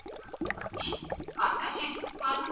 ولي د اوښکو تویول د ذهني سلامتیا لپاره بد نه دي؟